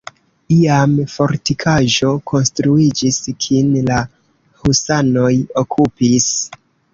Iam fortikaĵo konstruiĝis, kin la husanoj okupis.